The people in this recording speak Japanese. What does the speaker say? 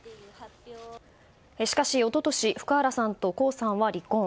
しかし一昨年、福原さんと江さんは離婚。